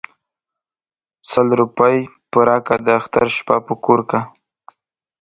ـ سل روپۍ پوره كه داختر شپه په كور كه.